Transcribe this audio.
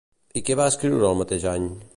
I què va escriure el mateix any?